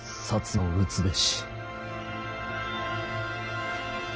摩を討つべし！